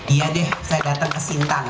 iya deh saya datang ke sintang